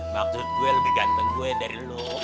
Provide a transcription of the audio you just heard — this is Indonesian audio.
maksud gua lebih ganteng gua dari lo